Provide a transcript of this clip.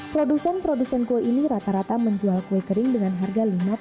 produsen produsen kue ini rata rata menjual kue kering dengan harga lima puluh